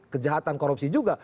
kejahatan korupsi juga